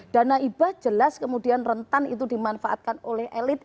dana ibah jelas kemudian rentan itu dimanfaatkan oleh elit